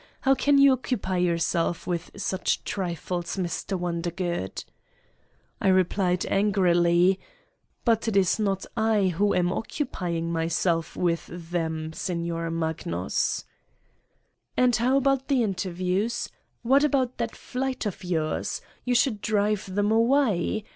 How can you occupy yourself with such trifles, Mr. Won dergood?" I replied angrily: "But it is not I who am occupying myself with them, Signor Magnus !'' "And how about the interviews? What about that flight of yours ? You should drive them away.